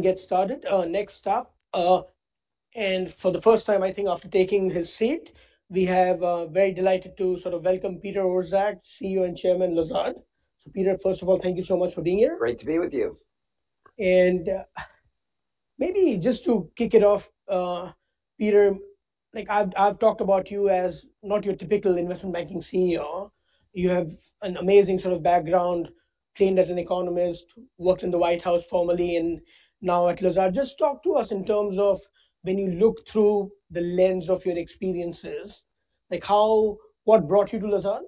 Get started. Next up, and for the first time, I think, after taking his seat, we have very delighted to sort of welcome Peter Orszag, CEO and Chairman, Lazard. So Peter, first of all, thank you so much for being here. Great to be with you. Maybe just to kick it off, Peter, like I've, I've talked about you as not your typical investment banking CEO. You have an amazing sort of background, trained as an economist, worked in the White House formerly, and now at Lazard. Just talk to us in terms of when you look through the lens of your experiences, like, how, what brought you to Lazard?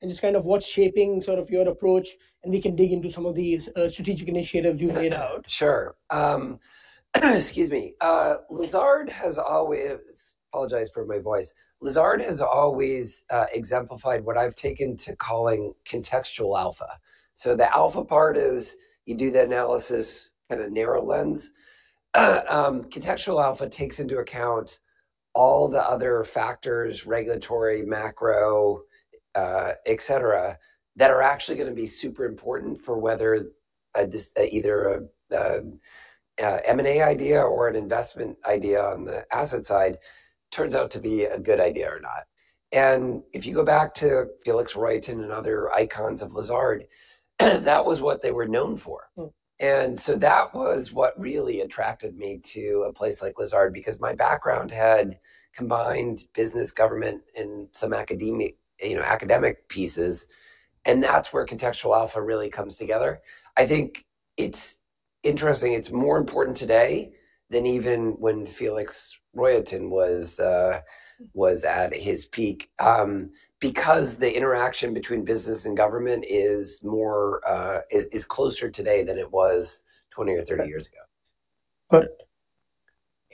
And just kind of what's shaping sort of your approach, and we can dig into some of these strategic initiatives you laid out. Sure. Excuse me. Lazard has always... Apologize for my voice. Lazard has always exemplified what I've taken to calling contextual alpha. So the alpha part is you do the analysis at a narrow lens. Contextual alpha takes into account all the other factors, regulatory, macro, et cetera, that are actually gonna be super important for whether this either a M&A idea or an investment idea on the asset side turns out to be a good idea or not. And if you go back to Felix Rohatyn and other icons of Lazard, that was what they were known for. Mm. That was what really attracted me to a place like Lazard, because my background had combined business, government, and some academic, you know, academic pieces, and that's where contextual alpha really comes together. I think it's interesting; it's more important today than even when Felix Rohatyn was at his peak, because the interaction between business and government is more closer today than it was 20 or 30 years ago. Got it.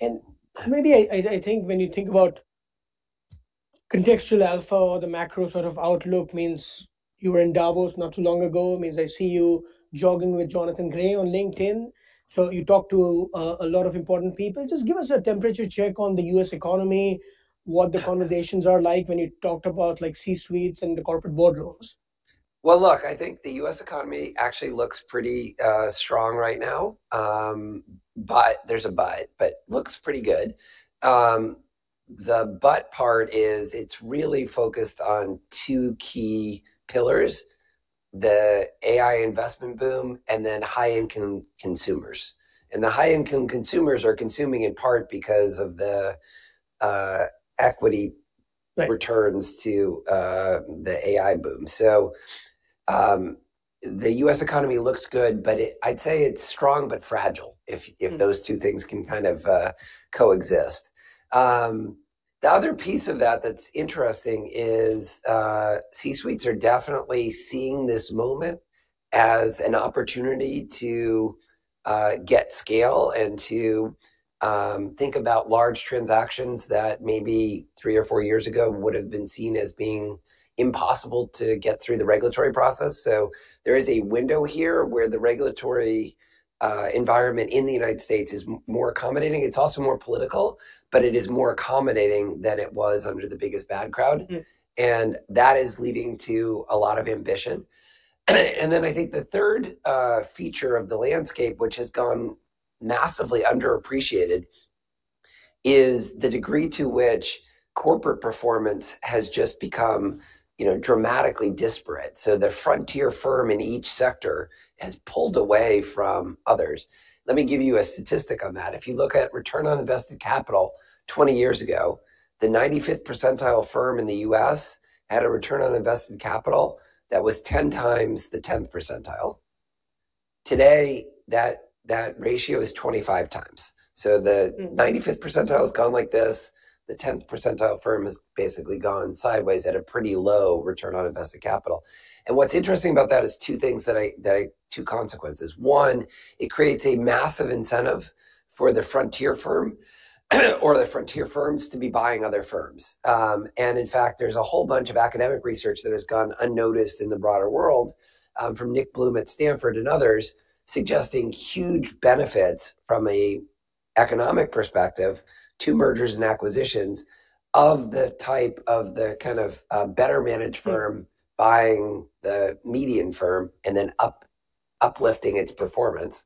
And maybe I think when you think about contextual alpha or the macro sort of outlook, means you were in Davos not too long ago, means I see you jogging with Jonathan Gray on LinkedIn. So you talk to a lot of important people. Just give us a temperature check on the U.S. economy, what the conversations are like when you talked about, like, C-suites and the corporate boardrooms. Well, look, I think the U.S. economy actually looks pretty strong right now. But there's a but, but it looks pretty good. The but part is it's really focused on two key pillars: the AI investment boom and then high-income consumers. And the high-income consumers are consuming in part because of the equity- Right... returns to, the AI boom. So, the US economy looks good, but it-- I'd say it's strong but fragile, if- Mm... if those two things can kind of coexist. The other piece of that that's interesting is, C-suites are definitely seeing this moment as an opportunity to get scale and to think about large transactions that maybe three or four years ago would have been seen as being impossible to get through the regulatory process. So there is a window here where the regulatory environment in the United States is more accommodating. It's also more political, but it is more accommodating than it was under the "big is bad" crowd. Mm. And that is leading to a lot of ambition. And then I think the third feature of the landscape, which has gone massively underappreciated, is the degree to which corporate performance has just become, you know, dramatically disparate. So the frontier firm in each sector has pulled away from others. Let me give you a statistic on that. If you look at return on invested capital 20 years ago, the 95th percentile firm in the U.S. had a return on invested capital that was 10 times the 10th percentile. Today, that ratio is 25 times. So the- Mm... 95th percentile has gone like this, the 10th percentile firm has basically gone sideways at a pretty low return on invested capital. And what's interesting about that is two things that I—two consequences. One, it creates a massive incentive for the frontier firm, or the frontier firms to be buying other firms. And in fact, there's a whole bunch of academic research that has gone unnoticed in the broader world, from Nick Bloom at Stanford and others, suggesting huge benefits from an economic perspective to mergers and acquisitions of the type of the kind of better managed firm- Mm... buying the median firm and then uplifting its performance.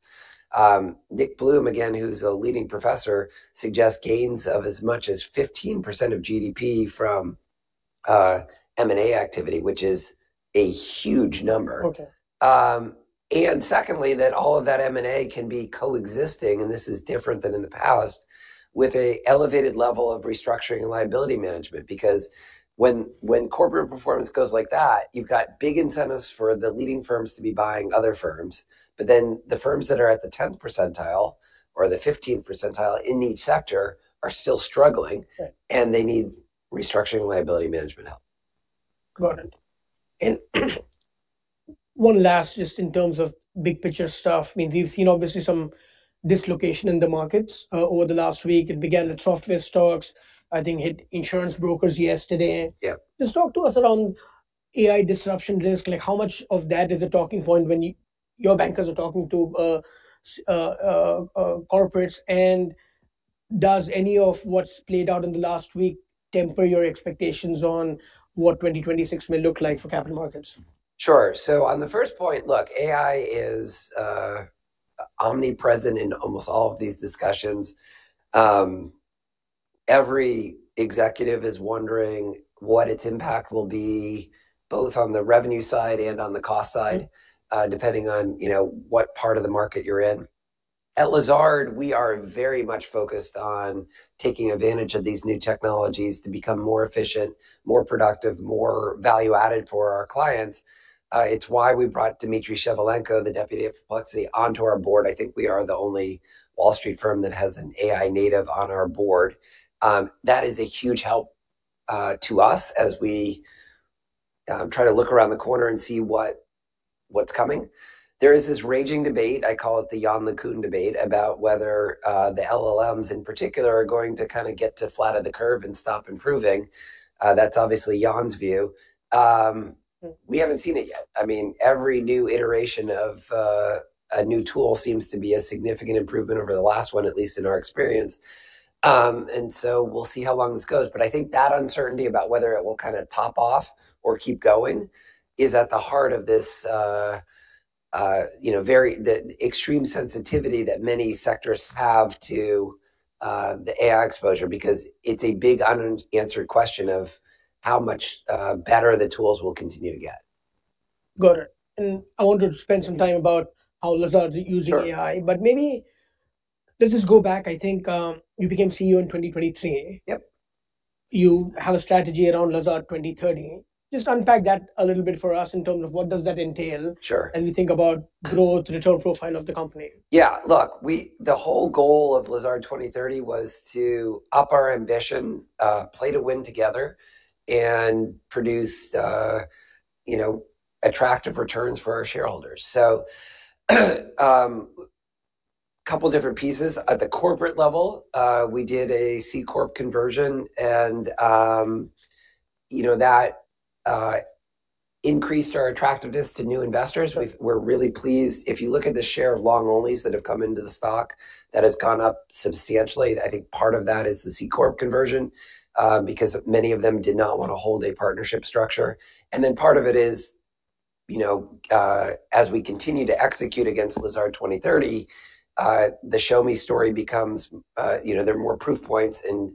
Nick Bloom, again, who's a leading professor, suggests gains of as much as 15% of GDP from M&A activity, which is a huge number. Okay. and secondly, that all of that M&A can be coexisting, and this is different than in the past, with an elevated level of restructuring and liability management. Because when corporate performance goes like that, you've got big incentives for the leading firms to be buying other firms, but then the firms that are at the tenth percentile or the fifteenth percentile in each sector are still struggling- Right... and they need restructuring and liability management help. Got it. And one last, just in terms of big-picture stuff, I mean, we've seen obviously some dislocation in the markets over the last week. It began with software stocks, I think hit insurance brokers yesterday. Yeah. Just talk to us around AI disruption risk. Like, how much of that is a talking point when you, your bankers are talking to corporates? Does any of what's played out in the last week temper your expectations on what 2026 may look like for capital markets? Sure. So on the first point, look, AI is omnipresent in almost all of these discussions. Every executive is wondering what its impact will be, both on the revenue side and on the cost side- Mm-hmm. Depending on, you know, what part of the market you're in. At Lazard, we are very much focused on taking advantage of these new technologies to become more efficient, more productive, more value-added for our clients. It's why we brought Dmitry Shevelenko, the Deputy of Perplexity, onto our board. I think we are the only Wall Street firm that has an AI native on our board. That is a huge help to us as we try to look around the corner and see what's coming. There is this raging debate, I call it the Yann LeCun debate, about whether the LLMs in particular are going to kinda get to flat of the curve and stop improving. That's obviously Yann's view. Mm. We haven't seen it yet. I mean, every new iteration of a new tool seems to be a significant improvement over the last one, at least in our experience. And so we'll see how long this goes. But I think that uncertainty about whether it will kinda top off or keep going is at the heart of this, you know, very... the extreme sensitivity that many sectors have to the AI exposure, because it's a big unanswered question of how much better the tools will continue to get. Got it. And I wanted to spend some time about how Lazard's using AI- Sure. but maybe let's just go back. I think, you became CEO in 2023. Yep. You have a strategy around Lazard 2030. Just unpack that a little bit for us in terms of what does that entail? Sure As you think about growth, return profile of the company? Yeah. Look, we the whole goal of Lazard 2030 was to up our ambition, play to win together, and produce, you know, attractive returns for our shareholders. So, couple different pieces. At the corporate level, we did a C-Corp conversion, and, you know, that increased our attractiveness to new investors. We're really pleased. If you look at the share of long-onlys that have come into the stock, that has gone up substantially. I think part of that is the C-Corp conversion, because many of them did not wanna hold a partnership structure. And then part of it is, you know, as we continue to execute against Lazard 2030, the show-me story becomes, you know, there are more proof points, and,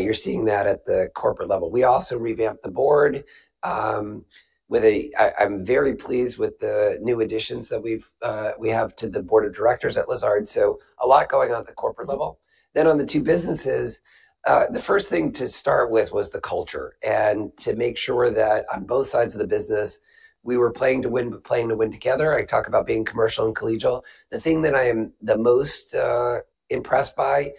you're seeing that at the corporate level. We also revamped the board with a... I'm very pleased with the new additions that we have to the board of directors at Lazard, so a lot going on at the corporate level. Then on the two businesses, the first thing to start with was the culture, and to make sure that on both sides of the business, we were playing to win, but playing to win together. I talk about being commercial and collegial. The thing that I am the most impressed by,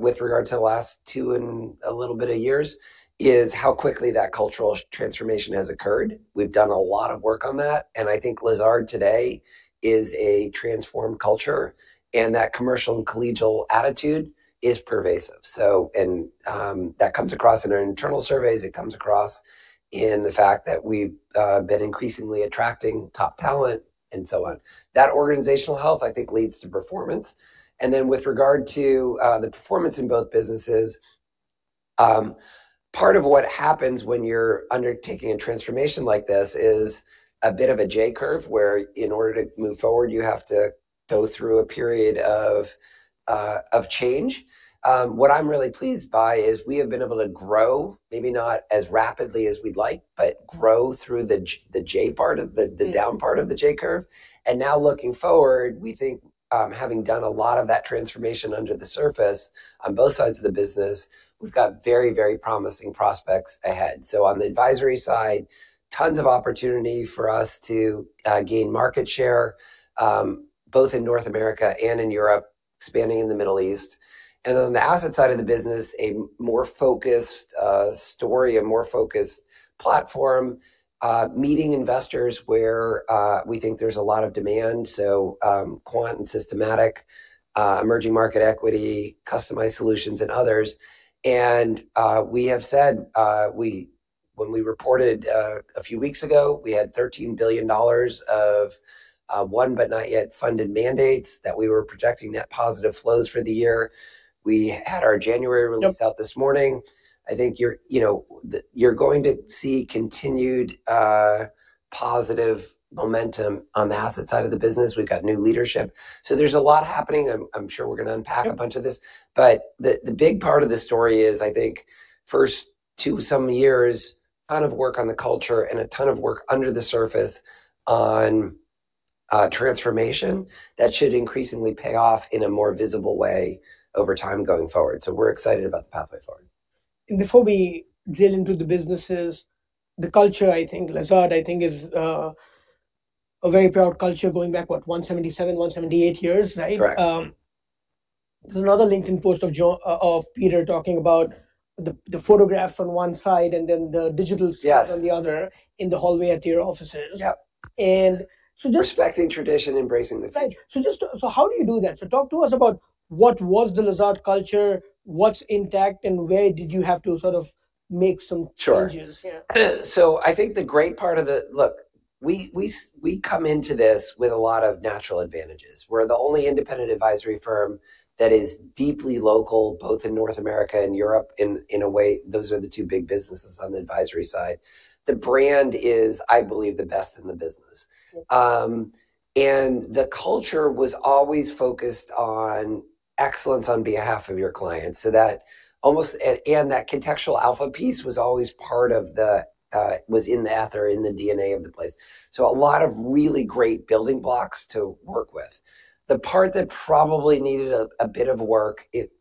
with regard to the last two and a little bit of years, is how quickly that cultural transformation has occurred. We've done a lot of work on that, and I think Lazard today is a transformed culture, and that commercial and collegial attitude is pervasive. That comes across in our internal surveys, it comes across in the fact that we've been increasingly attracting top talent, and so on. That organizational health, I think, leads to performance. And then with regard to the performance in both businesses, part of what happens when you're undertaking a transformation like this is a bit of a J-curve, where in order to move forward, you have to go through a period of change. What I'm really pleased by is we have been able to grow, maybe not as rapidly as we'd like, but grow through the J part of the- Mm... the down part of the J curve. And now looking forward, we think, having done a lot of that transformation under the surface on both sides of the business, we've got very, very promising prospects ahead. So on the advisory side, tons of opportunity for us to gain market share both in North America and in Europe, expanding in the Middle East. And on the asset side of the business, a more focused story, a more focused platform, meeting investors where we think there's a lot of demand, so quant and systematic, emerging market equity, customized solutions, and others. And we have said when we reported a few weeks ago, we had $13 billion of won but not yet funded mandates, that we were projecting net positive flows for the year. We had our January release- Yep... out this morning. I think you're, you know, you're going to see continued positive momentum on the asset side of the business. We've got new leadership. So there's a lot happening. I'm, I'm sure we're gonna unpack- Yep a bunch of this, but the big part of the story is, I think, first two some years, ton of work on the culture and a ton of work under the surface on transformation, that should increasingly pay off in a more visible way over time going forward. So we're excited about the pathway forward. Before we drill into the businesses, the culture, I think, Lazard, I think, is a very proud culture going back, what, 177, 178 years, right? Correct. There's another LinkedIn post of Peter talking about the, the photograph on one side and then the digital- Yes - side on the other, in the hallway at your offices. Yep. And so just- Respecting tradition, embracing the future. Right. So just, so how do you do that? So talk to us about what was the Lazard culture, what's intact, and where did you have to sort of make some changes? Sure. Yeah. So I think... Look, we come into this with a lot of natural advantages. We're the only independent advisory firm that is deeply local, both in North America and Europe. In a way, those are the two big businesses on the advisory side. The brand is, I believe, the best in the business. And the culture was always focused on excellence on behalf of your clients, so that and that contextual alpha piece was always part of the, was in the ether, in the DNA of the place. So a lot of really great building blocks to work with. The part that probably needed a bit of work, it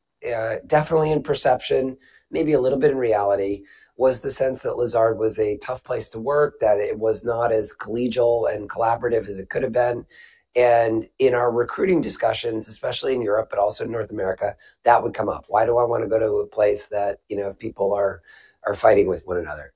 definitely in perception, maybe a little bit in reality, was the sense that Lazard was a tough place to work, that it was not as collegial and collaborative as it could have been. In our recruiting discussions, especially in Europe, but also in North America, that would come up. "Why do I wanna go to a place that, you know, people are fighting with one another?"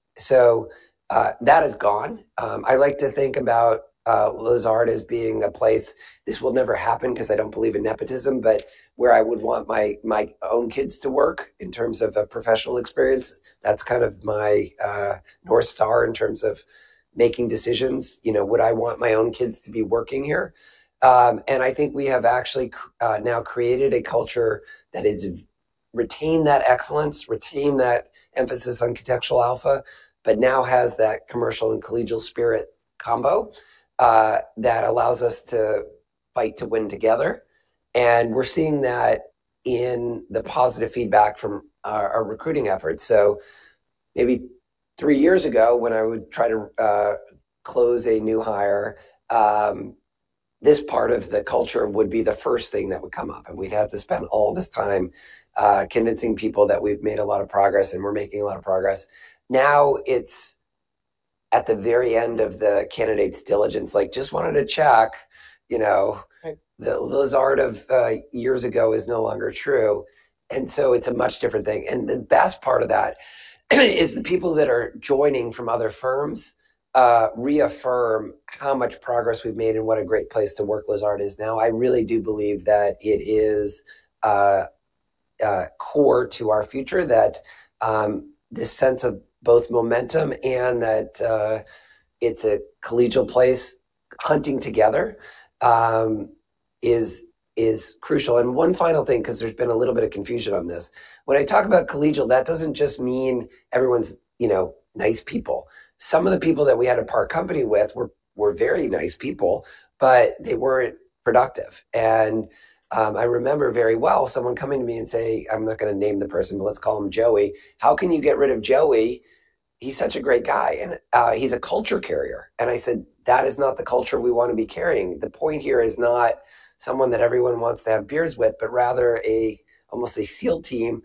That is gone. I like to think about Lazard as being a place, this will never happen 'cause I don't believe in nepotism, but where I would want my own kids to work in terms of a professional experience. That's kind of my North Star in terms of making decisions, you know, would I want my own kids to be working here? And I think we have actually now created a culture that is retained that excellence, retained that emphasis on contextual alpha, but now has that commercial and collegial spirit combo that allows us to fight to win together. And we're seeing that in the positive feedback from our recruiting efforts. So maybe three years ago, when I would try to close a new hire, this part of the culture would be the first thing that would come up, and we'd have to spend all this time convincing people that we've made a lot of progress and we're making a lot of progress. Now, it's at the very end of the candidate's diligence, like, "Just wanted to check, you know- Right..... the Lazard of, years ago is no longer true." And so it's a much different thing. And the best part of that is the people that are joining from other firms, reaffirm how much progress we've made and what a great place to work Lazard is now. I really do believe that it is, core to our future that, this sense of both momentum and that, it's a collegial place, hunting together, is, is crucial. And one final thing, 'cause there's been a little bit of confusion on this. When I talk about collegial, that doesn't just mean everyone's, you know, nice people. Some of the people that we had to part company with were, were very nice people, but they weren't productive. I remember very well someone coming to me and saying, I'm not gonna name the person, but let's call him Joey: "How can you get rid of Joey? He's such a great guy, and he's a culture carrier." And I said, "That is not the culture we wanna be carrying." The point here is not someone that everyone wants to have beers with, but rather almost a SEAL team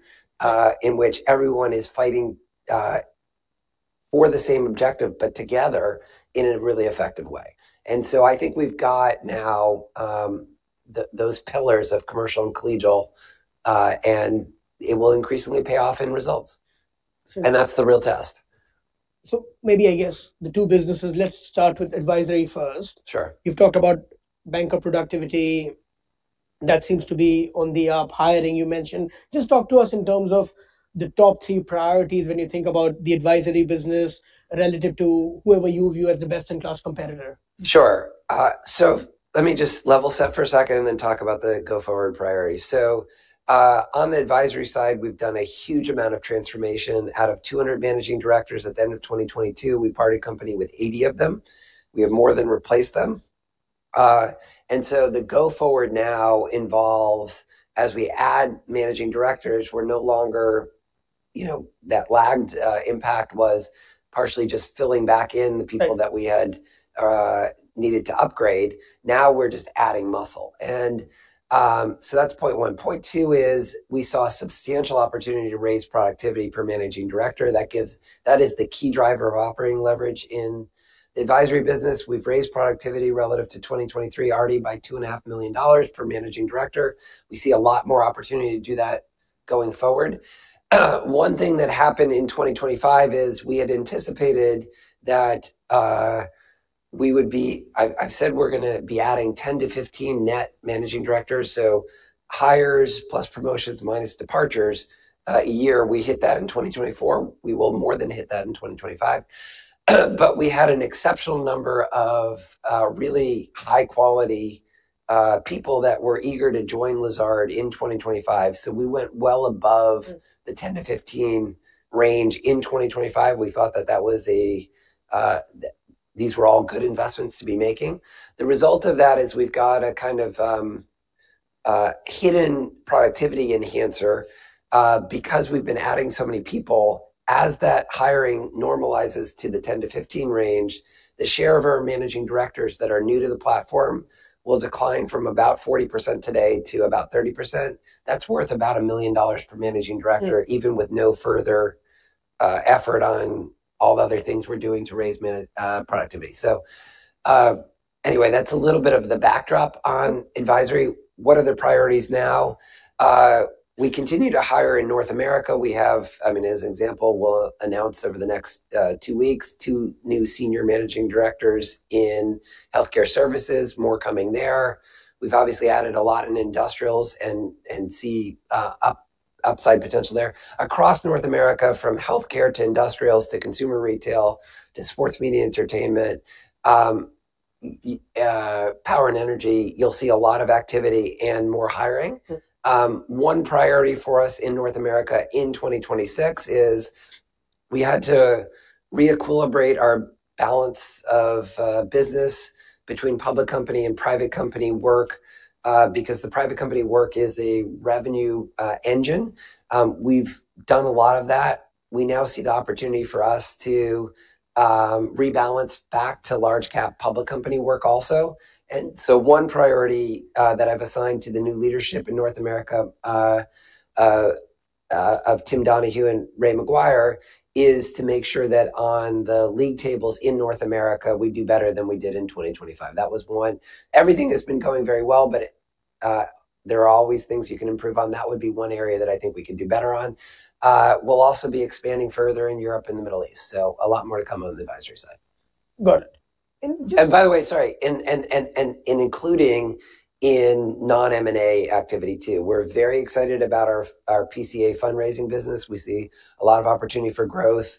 in which everyone is fighting for the same objective, but together in a really effective way. And so I think we've got now those pillars of commercial and collegial, and it will increasingly pay off in results. Sure. That's the real test. Maybe, I guess, the two businesses. Let's start with advisory first. Sure. You've talked about banker productivity. That seems to be on the up, hiring, you mentioned. Just talk to us in terms of the top three priorities when you think about the advisory business relative to whoever you view as the best-in-class competitor. Sure. So let me just level set for a second and then talk about the go-forward priorities. So, on the advisory side, we've done a huge amount of transformation. Out of 200 managing directors at the end of 2022, we parted company with 80 of them. We have more than replaced them. And so the go forward now involves, as we add managing directors, we're no longer... You know, that lagged impact was partially just filling back in the people- Right... that we had needed to upgrade. Now, we're just adding muscle. And so that's point one. Point two is, we saw a substantial opportunity to raise productivity per managing director. That is the key driver of operating leverage in the advisory business. We've raised productivity relative to 2023 already by $2.5 million per managing director. We see a lot more opportunity to do that going forward. One thing that happened in 2025 is, we had anticipated that we would be... I've said we're gonna be adding 10-15 net managing directors, so hires plus promotions minus departures a year. We hit that in 2024. We will more than hit that in 2025. We had an exceptional number of really high-quality people that were eager to join Lazard in 2025, so we went well above- Mm... the 10-15 range in 2025. We thought that that was a, that these were all good investments to be making. The result of that is we've got a kind of, hidden productivity enhancer. Because we've been adding so many people, as that hiring normalizes to the 10-15 range, the share of our managing directors that are new to the platform will decline from about 40% today to about 30%. That's worth about $1 million per managing director- Mm... even with no further, effort on all the other things we're doing to raise management productivity. So, anyway, that's a little bit of the backdrop on advisory. What are the priorities now? We continue to hire in North America. We have, I mean, as an example, we'll announce over the next two weeks, two new senior managing directors in healthcare services, more coming there. We've obviously added a lot in industrials and see upside potential there. Across North America, from healthcare to industrials, to consumer retail, to sports media entertainment, power and energy, you'll see a lot of activity and more hiring. Mm-hmm. One priority for us in North America in 2026 is we had to re-equilibrate our balance of business between public company and private company work because the private company work is a revenue engine. We've done a lot of that. We now see the opportunity for us to rebalance back to large-cap public company work also. And so one priority that I've assigned to the new leadership in North America of Tim Donahue and Ray McGuire is to make sure that on the league tables in North America, we do better than we did in 2025. That was one. Everything has been going very well, but there are always things you can improve on. That would be one area that I think we could do better on. We'll also be expanding further in Europe and the Middle East, so a lot more to come on the advisory side. Got it. And just- And by the way, sorry, including in non-M&A activity too. We're very excited about our PCA fundraising business. We see a lot of opportunity for growth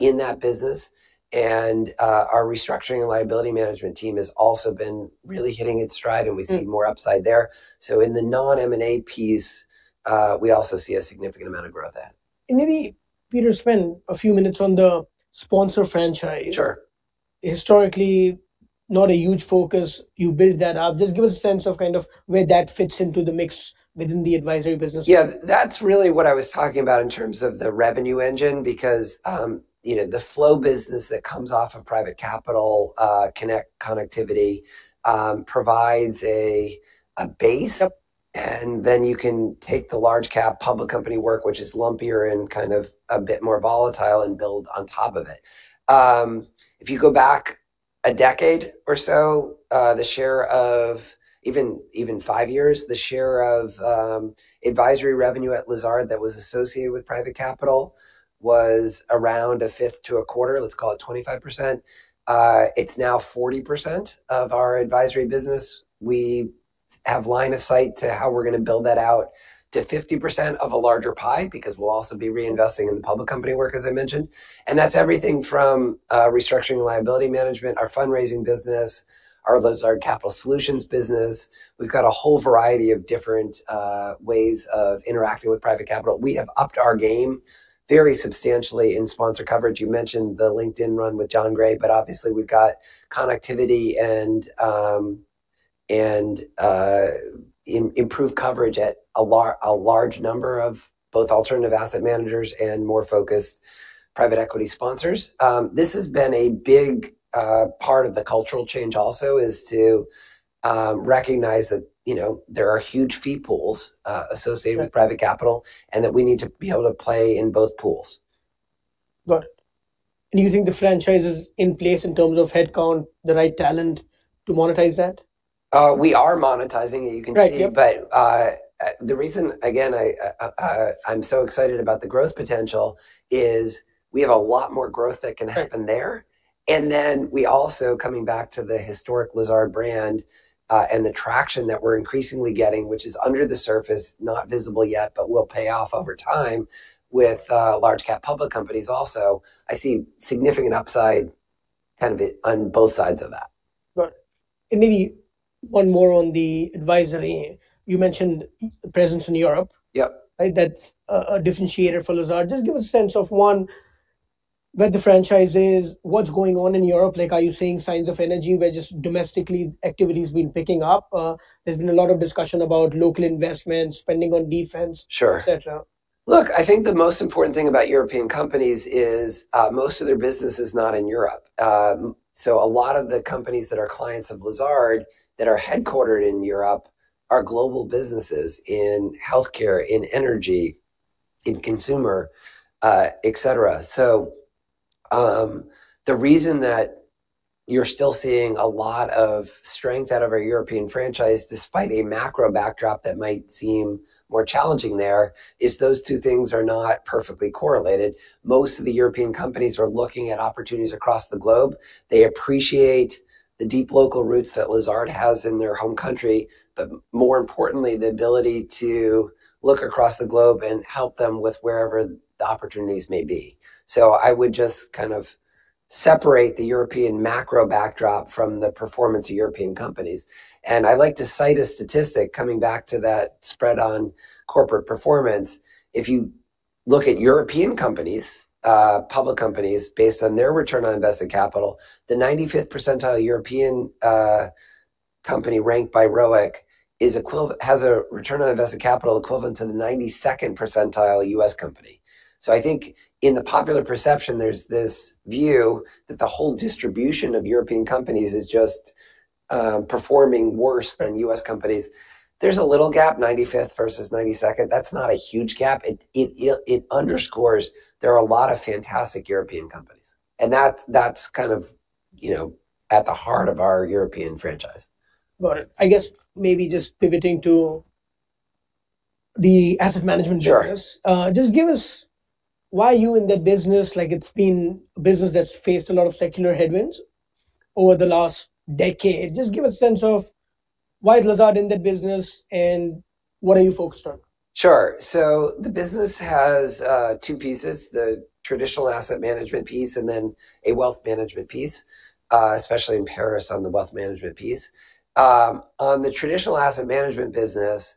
in that business. And our restructuring and liability management team has also been really hitting its stride- Mm. And we see more upside there. So in the non-M&A piece, we also see a significant amount of growth ahead. Maybe, Peter, spend a few minutes on the sponsor franchise. Sure. Historically, not a huge focus. You built that up. Just give us a sense of kind of where that fits into the mix within the advisory business. Yeah, that's really what I was talking about in terms of the revenue engine, because, you know, the flow business that comes off of private capital, connectivity, provides a base. Yep. And then you can take the large-cap public company work, which is lumpier and kind of a bit more volatile, and build on top of it. If you go back a decade or so, even five years, the share of advisory revenue at Lazard that was associated with private capital was around a fifth to a quarter, let's call it 25%. It's now 40% of our advisory business. We have line of sight to how we're gonna build that out to 50% of a larger pie, because we'll also be reinvesting in the public company work, as I mentioned. And that's everything from restructuring and liability management, our fundraising business, our Lazard Capital Solutions business. We've got a whole variety of different ways of interacting with private capital. We have upped our game very substantially in sponsor coverage. You mentioned the LinkedIn run with Jonathan Gray, but obviously, we've got connectivity and improved coverage at a large number of both alternative asset managers and more focused private equity sponsors. This has been a big part of the cultural change also is to recognize that, you know, there are huge fee pools associated- Right... with private capital, and that we need to be able to play in both pools. Got it. And you think the franchise is in place in terms of headcount, the right talent to monetize that? We are monetizing it, you can see. Right. Yep. The reason, again, I'm so excited about the growth potential is we have a lot more growth that can happen there. Right. And then we also, coming back to the historic Lazard brand, and the traction that we're increasingly getting, which is under the surface, not visible yet, but will pay off over time, with large-cap public companies also, I see significant upside, kind of it, on both sides of that. Got it. And maybe one more on the advisory. You mentioned presence in Europe. Yep. Right? That's a differentiator for Lazard. Just give a sense of, one, where the franchise is, what's going on in Europe? Like, are you seeing signs of energy where just domestically, activity has been picking up? There's been a lot of discussion about local investment, spending on defense- Sure... et cetera. Look, I think the most important thing about European companies is most of their business is not in Europe. So a lot of the companies that are clients of Lazard, that are headquartered in Europe, are global businesses in healthcare, in energy, in consumer, et cetera. So the reason that you're still seeing a lot of strength out of our European franchise, despite a macro backdrop that might seem more challenging there, is those two things are not perfectly correlated. Most of the European companies are looking at opportunities across the globe. They appreciate the deep local roots that Lazard has in their home country, but more importantly, the ability to look across the globe and help them with wherever the opportunities may be. So I would just kind of separate the European macro backdrop from the performance of European companies. I'd like to cite a statistic coming back to that spread on corporate performance. If you look at European companies, public companies, based on their return on invested capital, the 95th percentile European company ranked by ROIC has a return on invested capital equivalent to the 92nd percentile U.S. company. So I think in the popular perception, there's this view that the whole distribution of European companies is just performing worse than U.S. companies. There's a little gap, 95th versus 92nd. That's not a huge gap. It underscores there are a lot of fantastic European companies, and that's kind of, you know, at the heart of our European franchise. Got it. I guess maybe just pivoting to the asset management business. Sure. Just give us why you in that business? Like, it's been a business that's faced a lot of secular headwinds over the last decade. Just give a sense of why Lazard in that business, and what are you focused on? Sure. So the business has two pieces: the traditional asset management piece and then a wealth management piece, especially in Paris on the wealth management piece. On the traditional asset management business,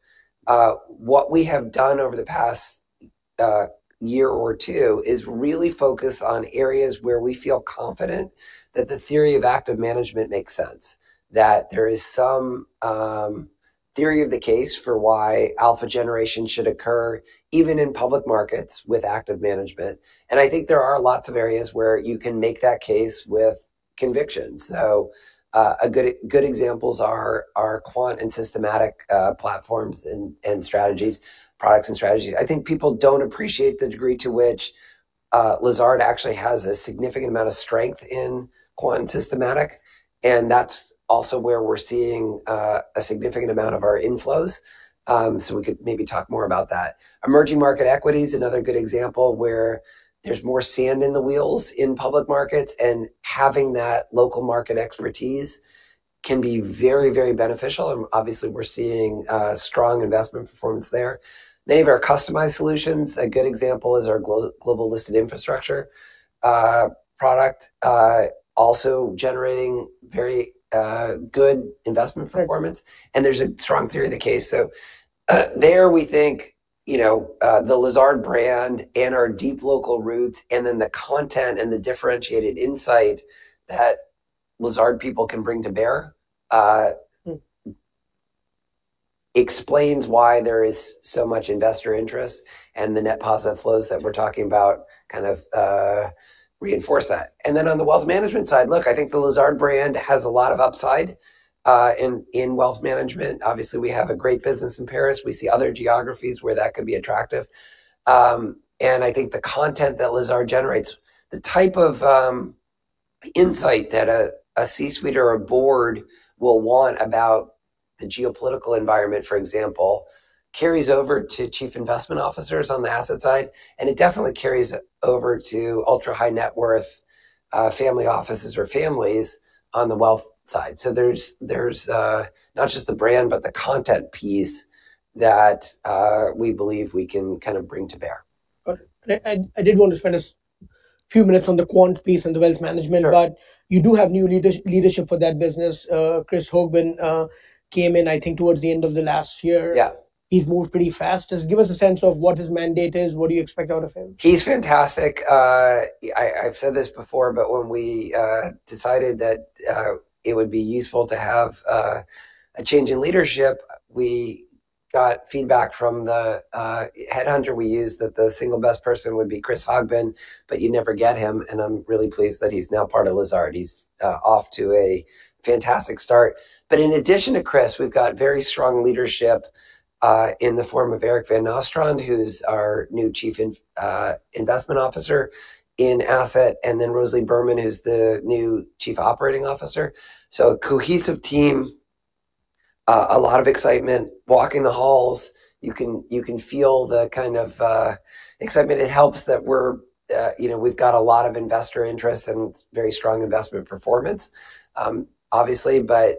what we have done over the past year or two is really focus on areas where we feel confident that the theory of active management makes sense, that there is some theory of the case for why alpha generation should occur, even in public markets with active management. And I think there are lots of areas where you can make that case with conviction. So, a good examples are quant and systematic platforms and strategies, products and strategies. I think people don't appreciate the degree to which Lazard actually has a significant amount of strength in quant systematic, and that's also where we're seeing a significant amount of our inflows. So we could maybe talk more about that. Emerging market equity is another good example where there's more sand in the wheels in public markets, and having that local market expertise can be very, very beneficial, and obviously, we're seeing strong investment performance there. Many of our customized solutions, a good example is our Global Listed Infrastructure product, also generating very good investment performance. Mm-hmm. There's a strong theory of the case. So, there we think, you know, the Lazard brand and our deep local roots, and then the content and the differentiated insight that Lazard people can bring to bear. Mm... explains why there is so much investor interest, and the net positive flows that we're talking about, kind of, reinforce that. And then on the wealth management side, look, I think the Lazard brand has a lot of upside, in wealth management. Obviously, we have a great business in Paris. We see other geographies where that could be attractive. And I think the content that Lazard generates, the type of insight that a C-suite or a board will want about the geopolitical environment, for example, carries over to chief investment officers on the asset side, and it definitely carries over to ultra-high net worth family offices or families on the wealth side. So there's not just the brand, but the content piece that we believe we can kind of bring to bear. Got it. And I did want to spend a few minutes on the quant piece and the wealth management- Sure. but you do have new leadership for that business. Chris Hogbin came in, I think, towards the end of the last year. Yeah. He's moved pretty fast. Just give us a sense of what his mandate is. What do you expect out of him? He's fantastic. I've said this before, but when we decided that it would be useful to have a change in leadership, we got feedback from the headhunter we used, that the single best person would be Chris Hogbin, but you never get him, and I'm really pleased that he's now part of Lazard. He's off to a fantastic start. But in addition to Chris, we've got very strong leadership in the form of Eric Van Nostrand, who's our new chief investment officer in asset, and then Rosalie Berman, who's the new chief operating officer. So a cohesive team, a lot of excitement. Walking the halls, you can feel the kind of excitement. It helps that we're, you know, we've got a lot of investor interest and very strong investment performance. Obviously, but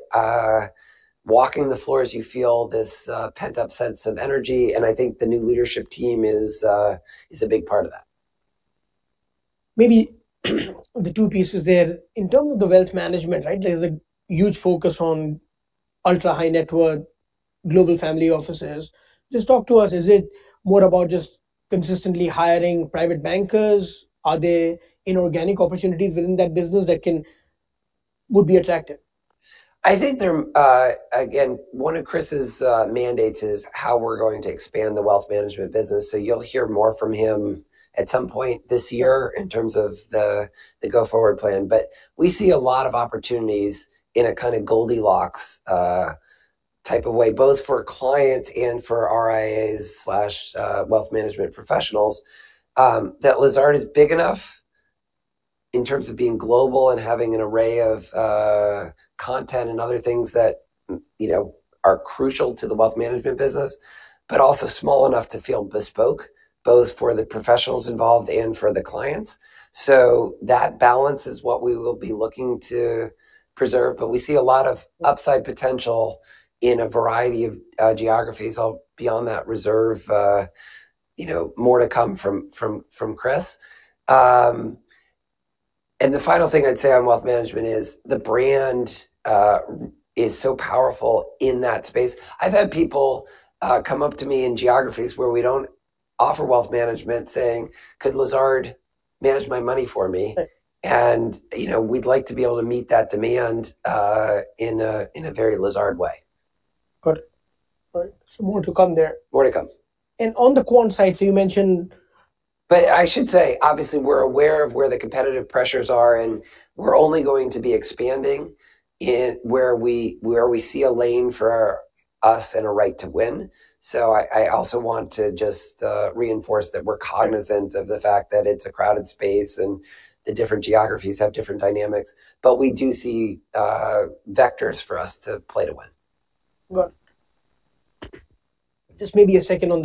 walking the floors, you feel this pent-up sense of energy, and I think the new leadership team is a big part of that. Maybe the two pieces there. In terms of the wealth management, right, there's a huge focus on ultra-high net worth global family offices. Just talk to us, is it more about just consistently hiring private bankers? Are there inorganic opportunities within that business that would be attractive? I think there, again, one of Chris's mandates is how we're going to expand the wealth management business. So you'll hear more from him at some point this year in terms of the go-forward plan. But we see a lot of opportunities in a kind of Goldilocks type of way, both for clients and for RIAs slash wealth management professionals, that Lazard is big enough in terms of being global and having an array of content and other things that, you know, are crucial to the wealth management business, but also small enough to feel bespoke, both for the professionals involved and for the clients. So that balance is what we will be looking to preserve, but we see a lot of upside potential in a variety of geographies. I'll leave that in reserve, you know, more to come from Chris. The final thing I'd say on wealth management is the brand is so powerful in that space. I've had people come up to me in geographies where we don't offer wealth management, saying: "Could Lazard manage my money for me? Right. You know, we'd like to be able to meet that demand in a very Lazard way. Got it. All right, so more to come there. More to come. On the quant side, so you mentioned- But I should say, obviously, we're aware of where the competitive pressures are, and we're only going to be expanding in where we, where we see a lane for us and a right to win. So I, I also want to just reinforce that we're cognizant- Right... of the fact that it's a crowded space and the different geographies have different dynamics, but we do see vectors for us to play to win. Got it.... Just maybe a second on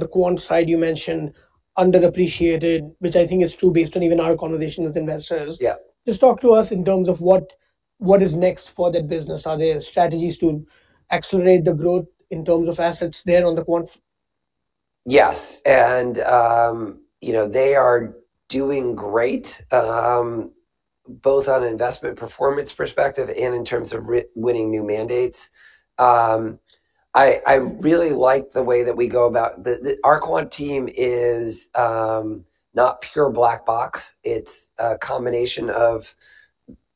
the quant side, you mentioned underappreciated, which I think is true based on even our conversation with investors. Yeah. Just talk to us in terms of what, what is next for the business. Are there strategies to accelerate the growth in terms of assets there on the quant? Yes, and, you know, they are doing great, both on an investment performance perspective and in terms of winning new mandates. I really like the way that we go about, the our quant team is not pure black box. It's a combination of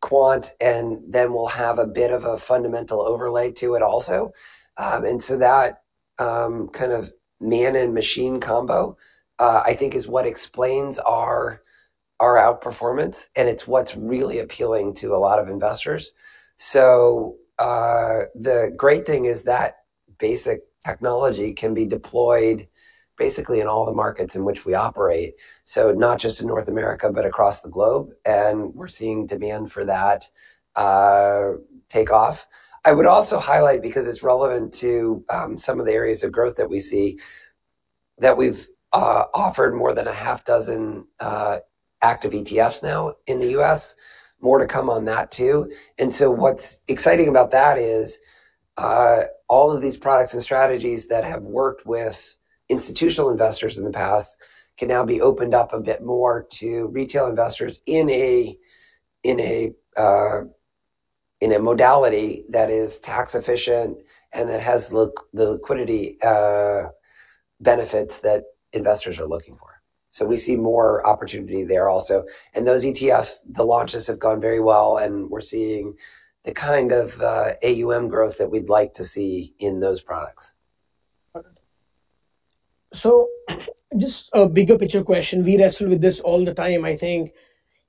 quant, and then we'll have a bit of a fundamental overlay to it also. And so that kind of man and machine combo, I think is what explains our outperformance, and it's what's really appealing to a lot of investors. So, the great thing is that basic technology can be deployed basically in all the markets in which we operate, so not just in North America, but across the globe, and we're seeing demand for that take off. I would also highlight, because it's relevant to some of the areas of growth that we see, that we've offered more than 6 active ETFs now in the U.S. More to come on that too. And so what's exciting about that is all of these products and strategies that have worked with institutional investors in the past can now be opened up a bit more to retail investors in a modality that is tax efficient and that has the liquidity benefits that investors are looking for. So we see more opportunity there also. And those ETFs, the launches have gone very well, and we're seeing the kind of AUM growth that we'd like to see in those products. So just a bigger picture question. We wrestle with this all the time. I think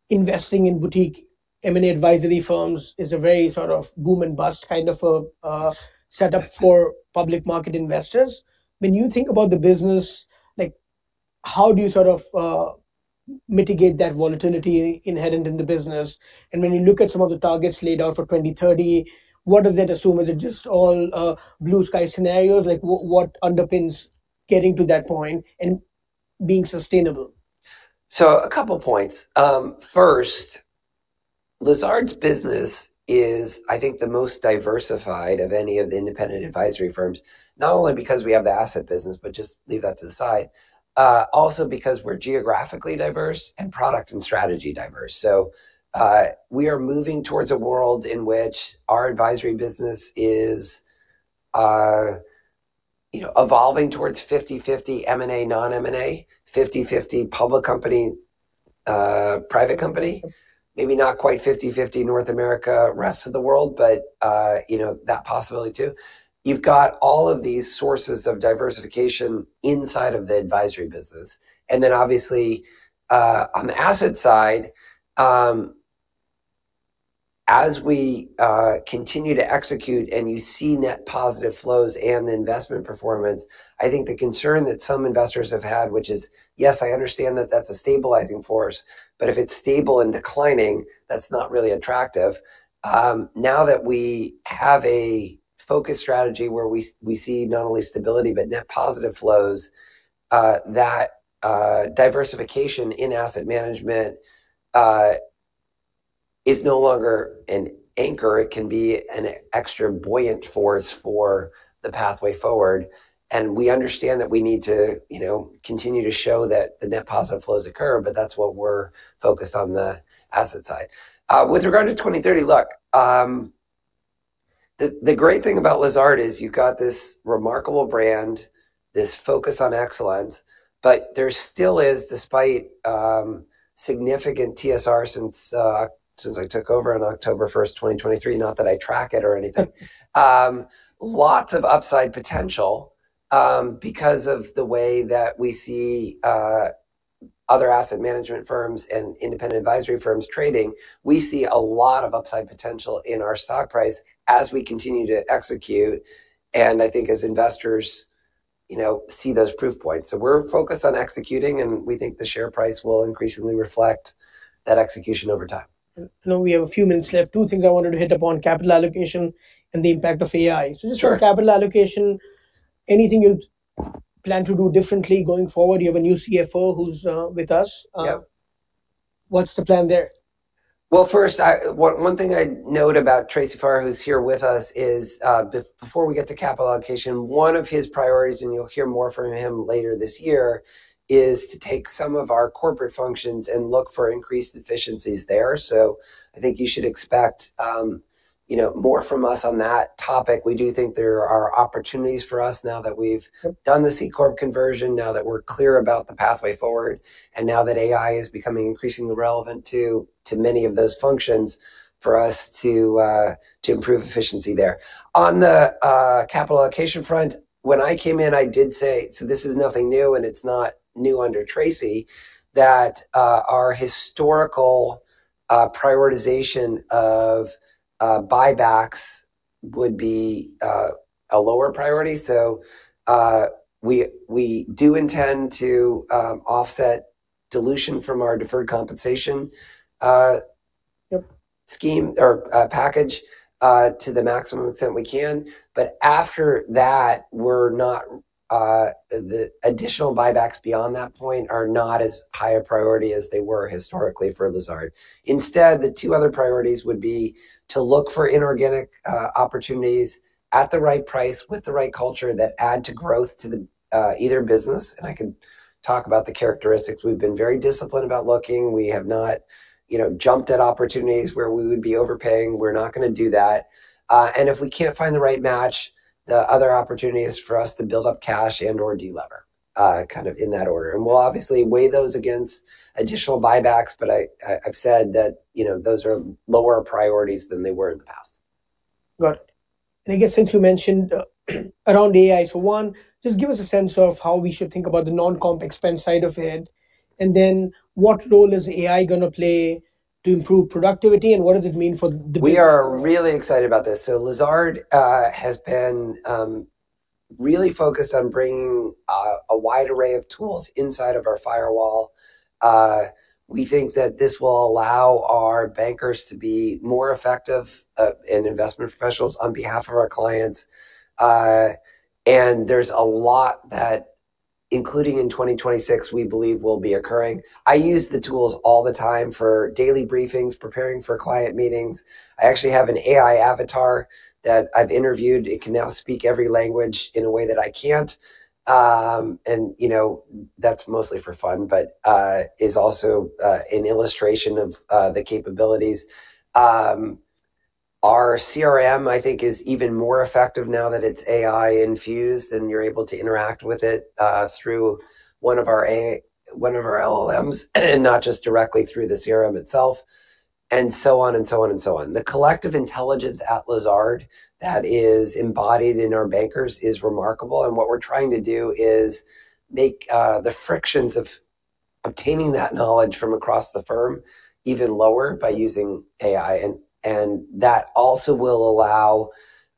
investing in boutique M&A advisory firms is a very sort of boom and bust kind of a setup for public market investors. When you think about the business, like, how do you sort of mitigate that volatility inherent in the business? And when you look at some of the targets laid out for 2030, what does that assume? Is it just all blue sky scenarios? Like, what, what underpins getting to that point and being sustainable? So a couple points. First, Lazard's business is, I think, the most diversified of any of the independent advisory firms, not only because we have the asset business, but just leave that to the side, also because we're geographically diverse and product and strategy diverse. So, we are moving towards a world in which our advisory business is, you know, evolving towards 50/50 M&A, non-M&A, 50/50 public company, private company, maybe not quite 50/50 North America, rest of the world, but, you know, that possibility too. You've got all of these sources of diversification inside of the advisory business. And then obviously, on the asset side, as we continue to execute and you see net positive flows and the investment performance, I think the concern that some investors have had, which is, yes, I understand that that's a stabilizing force, but if it's stable and declining, that's not really attractive. Now that we have a focused strategy where we see not only stability but net positive flows, that diversification in asset management is no longer an anchor, it can be an extra buoyant force for the pathway forward. And we understand that we need to, you know, continue to show that the net positive flows occur, but that's what we're focused on the asset side. With regard to 2030, look, the great thing about Lazard is you've got this remarkable brand, this focus on excellence, but there still is, despite significant TSR since I took over on October 1, 2023, not that I track it or anything, lots of upside potential, because of the way that we see other asset management firms and independent advisory firms trading. We see a lot of upside potential in our stock price as we continue to execute, and I think as investors you know see those proof points. So we're focused on executing, and we think the share price will increasingly reflect that execution over time. I know we have a few minutes left. Two things I wanted to hit upon: capital allocation and the impact of AI. Sure. So just on capital allocation, anything you'd plan to do differently going forward? You have a new CFO who's with us. Yeah. What's the plan there? Well, first, one thing I'd note about Tracey Farrar, who's here with us, is, before we get to capital allocation, one of his priorities, and you'll hear more from him later this year, is to take some of our corporate functions and look for increased efficiencies there. So I think you should expect, you know, more from us on that topic. We do think there are opportunities for us now that we've- Sure... done the C-Corp conversion, now that we're clear about the pathway forward, and now that AI is becoming increasingly relevant to many of those functions, for us to improve efficiency there. On the capital allocation front, when I came in, I did say, so this is nothing new, and it's not new under Tracey, that our historical prioritization of buybacks would be a lower priority. So we do intend to offset dilution from our deferred compensation scheme or package to the maximum extent we can. But after that, we're not; the additional buybacks beyond that point are not as high a priority as they were historically for Lazard. Instead, the two other priorities would be to look for inorganic opportunities at the right price, with the right culture that add to growth to the either business, and I can talk about the characteristics. We've been very disciplined about looking. We have not, you know, jumped at opportunities where we would be overpaying. We're not gonna do that. And if we can't find the right match, the other opportunity is for us to build up cash and/or delever kind of in that order. And we'll obviously weigh those against additional buybacks, but I've said that, you know, those are lower priorities than they were in the past. Got it. And I guess since you mentioned around AI, so one, just give us a sense of how we should think about the non-comp expense side of it, and then what role is AI gonna play to improve productivity, and what does it mean for the- We are really excited about this. So Lazard has been really focused on bringing a wide array of tools inside of our firewall. We think that this will allow our bankers to be more effective and investment professionals on behalf of our clients. And there's a lot that, including in 2026, we believe will be occurring. I use the tools all the time for daily briefings, preparing for client meetings. I actually have an AI avatar that I've interviewed. It can now speak every language in a way that I can't. And you know, that's mostly for fun, but is also an illustration of the capabilities. Our CRM, I think, is even more effective now that it's AI infused, and you're able to interact with it through one of our LLMs, and not just directly through the CRM itself, and so on, and so on, and so on. The collective intelligence at Lazard that is embodied in our bankers is remarkable, and what we're trying to do is make the frictions of obtaining that knowledge from across the firm even lower by using AI. That also will allow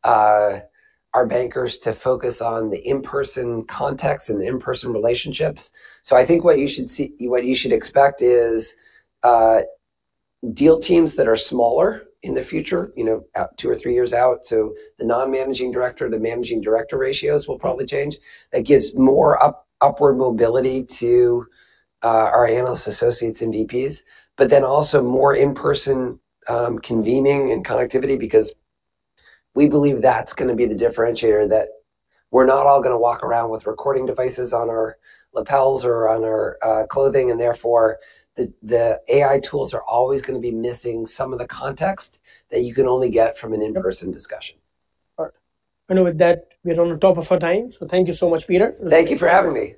our bankers to focus on the in-person contacts and the in-person relationships. So I think what you should see, what you should expect is deal teams that are smaller in the future, you know, two or three years out. So the non-managing director, the managing director ratios will probably change. That gives more upward mobility to our analyst associates and VPs, but then also more in-person convening and connectivity, because we believe that's gonna be the differentiator, that we're not all gonna walk around with recording devices on our lapels or on our clothing, and therefore the AI tools are always gonna be missing some of the context that you can only get from an in-person discussion. All right. And with that, we're on the top of our time. So thank you so much, Peter. Thank you for having me.